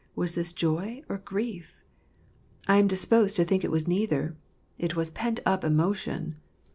Was this joy or grief ? I am disposed to think it was neither. It was pent up emotion.